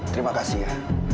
terima kasih ya